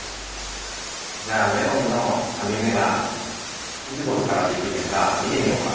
じゃあメロンのあみ目がいつごろからできるのかみてみようか。